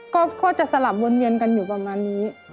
ก็จะสลับวนเวียนกันอยู่ประมาณนี้